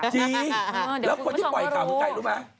จริงแล้วคนที่ปล่อยข่าวมันใกล้รู้มั้ย